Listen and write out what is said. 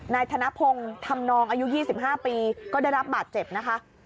ธนพงศ์ธรรมนองอายุ๒๕ปีก็ได้รับบาดเจ็บนะคะ